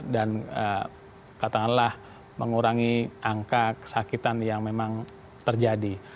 dan katakanlah mengurangi angka kesakitan yang memang terjadi